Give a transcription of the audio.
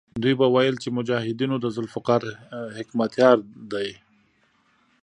دوی به ویل چې مجاهدونو د ذوالفقار حکمتیار دی.